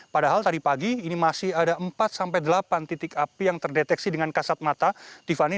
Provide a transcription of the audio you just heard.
padahal tadi pagi ini masih ada empat sampai delapan titik api yang terdeteksi dengan kasat mata tiffany